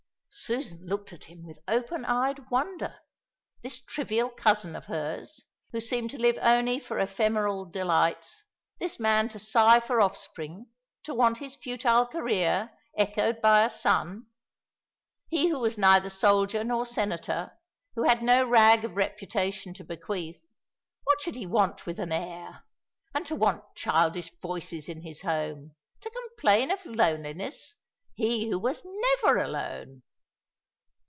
Susan looked at him with open eyed wonder. This trivial cousin of hers, who seemed to live only for ephemeral delights, this man to sigh for offspring, to want his futile career echoed by a son. He who was neither soldier nor senator, who had no rag of reputation to bequeath: what should he want with an heir? And to want childish voices in his home to complain of loneliness! He who was never alone!